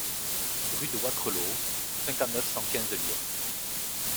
Rue de Wattrelos, cinquante-neuf, cent quinze Leers